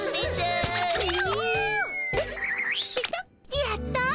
やった！